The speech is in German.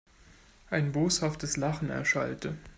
Ein boshaftes Lachen erschallte.